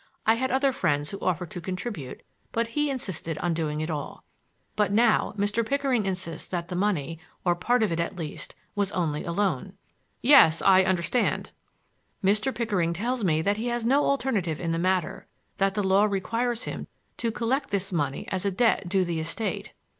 I had other friends who offered to contribute, but he insisted on doing it all. But now Mr. Pickering insists that the money—or part of it at least—was only a loan." "Yes; I understand." "Mr. Pickering tells me that he has no alternative in the matter; that the law requires him to collect this money as a debt due the estate."